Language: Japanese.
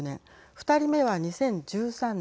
２人目は２０１３年。